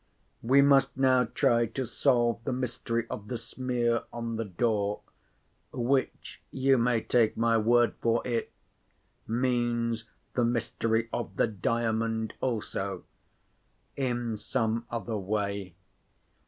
We must now try to solve the mystery of the smear on the door—which, you may take my word for it, means the mystery of the Diamond also—in some other way.